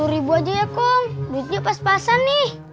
dua puluh ribu aja ya komp duitnya pas pasan nih